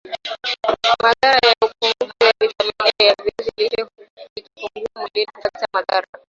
Madhara ya upungufu wa vitamin A ya viazi lishe ikipungua mwili hupata madhara